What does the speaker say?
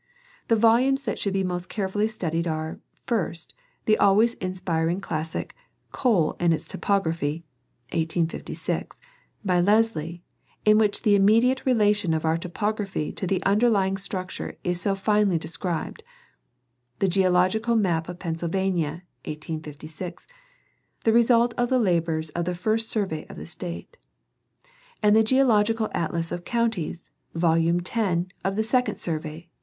The volumes that should be most carefully studied are, first, the always inspir ing classic, "Coal and its Topography" (1856), by Lesley, in which the immediate relation of our topography to the under lying structure is so finely described ; the Geological Map of Pennsylvania (1856), the result of the labors of the first survey of the state ; and the Geological Atlas of Counties, Volume X of the second survey (1885).